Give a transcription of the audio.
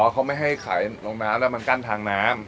เขาไม่ให้ขายลงน้ำแล้วมันกั้นทางน้ำ